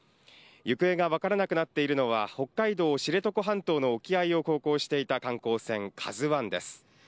行方が分からなくなっているのは、北海道知床半島の沖合を航行していた観光船カズワンです。